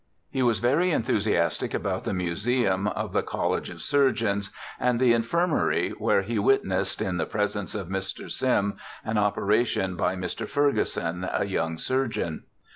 He was very enthusiastic about the museum of the College of Surgeons, and the Infirmary, where he witnessed in the presence of Mr. Syme an operation by * Mr. Ferguson, a young surgeon